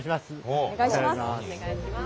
お願いします。